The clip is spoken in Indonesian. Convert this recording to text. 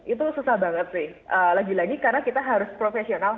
itu susah banget sih lagi lagi karena kita harus profesional